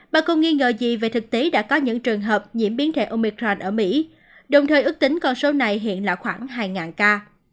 bà con nghi ngờ gì về thực tế đã có những trường hợp nhiễm biến thể omicrand ở mỹ đồng thời ước tính con số này hiện là khoảng hai ca